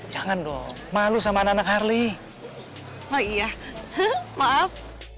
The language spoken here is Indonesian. jangan dong malu sama anak harley oh iya maaf